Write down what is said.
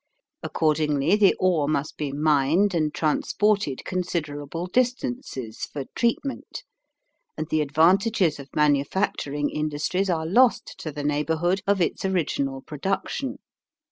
Accordingly the ore must be mined and transported considerable distances for treatment and the advantages of manufacturing industries are lost to the neighborhood of its original production.